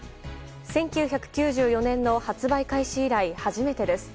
１９９４年の発売開始以来初めてです。